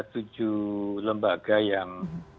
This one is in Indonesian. tujuh lembaga yang